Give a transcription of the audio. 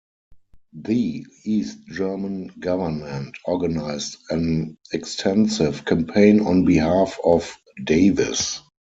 The East German government organized an extensive campaign on behalf of Davis.